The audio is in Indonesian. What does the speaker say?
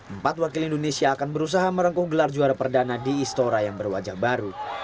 empat wakil indonesia akan berusaha merengkuh gelar juara perdana di istora yang berwajah baru